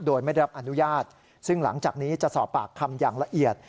โดยไม่ได้รับอนุญาตซึ่งหลังจากนี้จะสอบปากคำอย่างละเอียด